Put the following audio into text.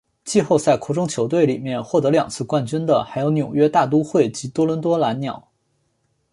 季后赛扩充球队里面获得两次冠军的还有纽约大都会及多伦多蓝鸟。